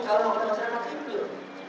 salah makanya sangat simpel